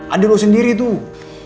ada lo sendiri tuh